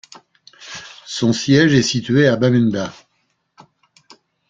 Son siège est situé à Bamenda.